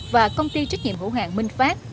và công ty trách nhiệm hữu hạng minh pháp